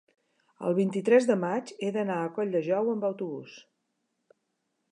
el vint-i-tres de maig he d'anar a Colldejou amb autobús.